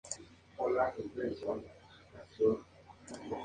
Su semilla puede ser molida para convertirla en harina y así utilizada.